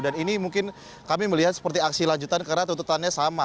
dan ini mungkin kami melihat seperti aksi lanjutan karena tuntutannya sama